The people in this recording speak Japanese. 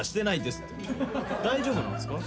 大丈夫なんすか？